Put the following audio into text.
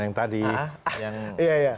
yang tadi yang